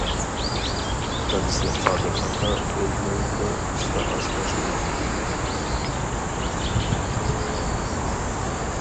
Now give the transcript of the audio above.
دادىسى قادىر ئاكا ئۆز نۆۋىتىدە ئۇستا ئاشپەز ئىدى.